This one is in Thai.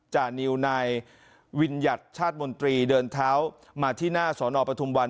จานิวนายวิญญัติชาติมนตรีเดินเท้ามาที่หน้าสอนอปทุมวัน